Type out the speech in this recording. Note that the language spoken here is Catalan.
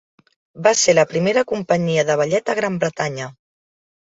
Va ser la primera companyia de ballet a la Gran Bretanya.